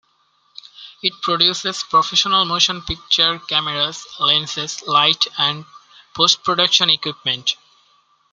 It produces professional motion picture cameras, lenses, lighting and postproduction equipment.